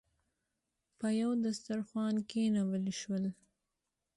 پر یوه دسترخوان کېنول شول.